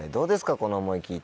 この思い聞いて。